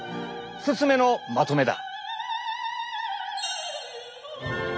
１つ目のまとめだ。